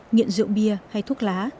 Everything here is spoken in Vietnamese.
nghiện rượu bia hay thuốc lá